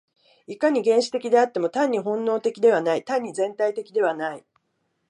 いかに原始的であっても、単に本能的ではない、単に全体的ではない。